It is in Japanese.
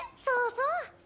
そうそう。